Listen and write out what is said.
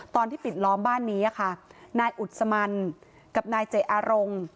ตอนที่ปิดล้อมบ้านนี้ค่ะนายอุศมันกับนายเจอารง